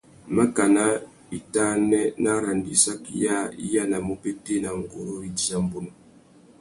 Makana itānê nà arandissaki yâā i yānamú ubétēna nguru râ idiya mbunu.